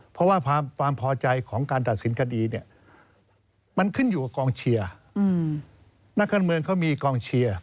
เพราะว่าความพอใจของการตัดสินคดีเนี่ย